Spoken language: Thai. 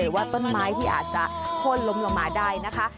หรือว่าต้นไม้ที่อาจจะโค่นลงมาได้นะคะ